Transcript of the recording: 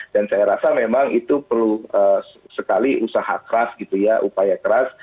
dan saya rasa memang itu perlu sekali usaha keras gitu ya upaya keras